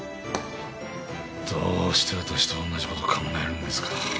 どうして私と同じこと考えるんですかぁ。